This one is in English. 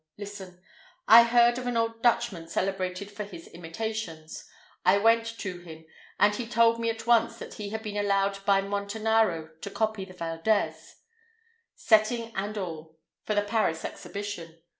Listen. I heard of an old Dutchman celebrated for his imitations. I went to him, and he told me at once that he had been allowed by Montanaro to copy the Valdez—setting and all—for the Paris Exhibition.